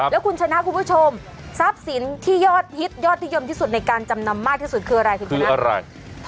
แล้วคุณชนะคุณผู้ชมทรัพย์สินที่ยอดฮิตยอดนิยมที่สุดในการจำนำมากที่สุดคืออะไรคุณชนะอะไร